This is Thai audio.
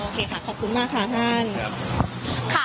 โอเคค่ะขอบคุณมากค่ะท่าน